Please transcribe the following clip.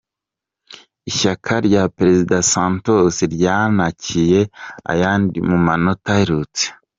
Ishyaka rya Perezida Santosi ryanikiye ayandi mu matora aherutse